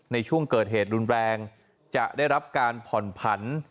ในช่วงเกิดเหตุรุนแรงจะได้รับการผ่อนผัน